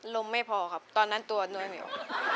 ล้มไม่พอครับตอนนั้นตัวน้อยไม่ออก